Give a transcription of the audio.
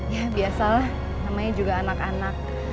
ya biasalah namanya juga anak anak